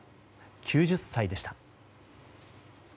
９０歳でした。